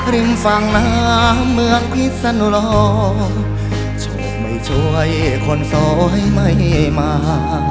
ลืมฟังนะเมืองพิษนรอโชคไม่ช่วยคนซ้อยไม่มา